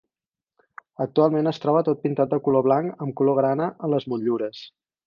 Actualment es troba tot pintat de color blanc amb color grana en les motllures.